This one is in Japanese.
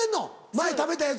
前食べたやつ。